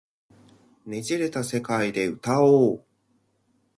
捻れた世界で歌おう